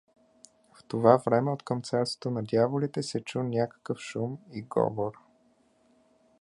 В това време откъм царството на дяволите се чу някакъв шум и говор.